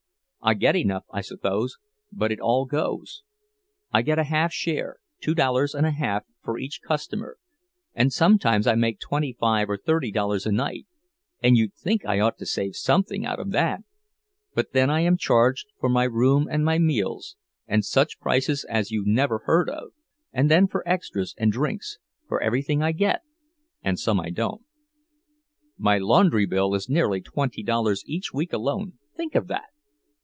I get enough, I suppose, but it all goes. I get a half share, two dollars and a half for each customer, and sometimes I make twenty five or thirty dollars a night, and you'd think I ought to save something out of that! But then I am charged for my room and my meals—and such prices as you never heard of; and then for extras, and drinks—for everything I get, and some I don't. My laundry bill is nearly twenty dollars each week alone—think of that!